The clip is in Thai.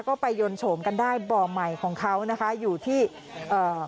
ก็ไปยนต์โฉมกันได้บ่อใหม่ของเขานะคะอยู่ที่เอ่อ